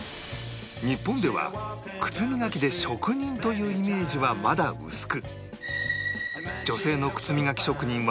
日本では靴磨きで職人というイメージはまだ薄く